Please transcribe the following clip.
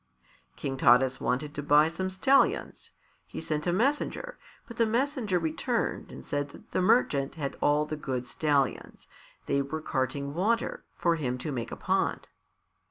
King Taras wanted to buy some stallions. He sent a messenger, but the messenger returned and said that the merchant had all the good stallions; they were carting water for him to make a pond.